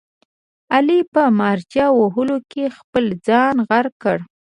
علي په مارچه وهلو کې خپل ځان غرق کړ.